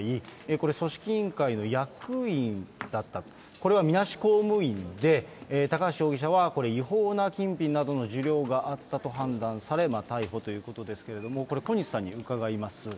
これ、組織委員会の役員だったと、これはみなし公務員で、高橋容疑者はこれ、違法な金品などの受領があったと判断され、逮捕ということですけれども、これ、小西さんに伺います。